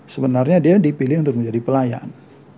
sebenarnya dia dipilih untuk menjadi pelayan